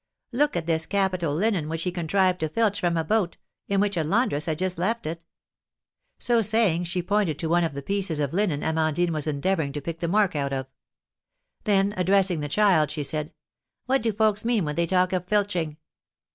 Look at this capital linen which he contrived to filch from a boat, in which a laundress had just left it!" So saying, she pointed to one of the pieces of linen Amandine was endeavouring to pick the mark out of. Then, addressing the child, she said, "What do folks mean when they talk of filching?"